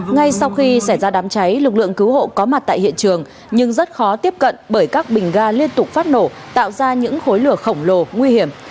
ngay sau khi xảy ra đám cháy lực lượng cứu hộ có mặt tại hiện trường nhưng rất khó tiếp cận bởi các bình ga liên tục phát nổ tạo ra những khối lửa khổng lồ nguy hiểm